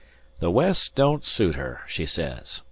"The West don't suit her, she says.